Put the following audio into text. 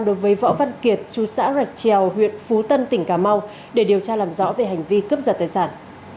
đối với võ văn kiệt chú xã rạch trèo huyện phú tân tỉnh cà mau để điều tra làm rõ về hành vi cướp giật tài sản